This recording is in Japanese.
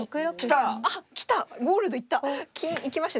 あっきた。